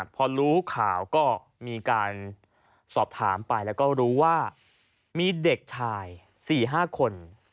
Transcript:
พอรู้ข่าวก็มีการสอบถามไปแล้วก็รู้ว่ามีเด็กชาย๔๕คน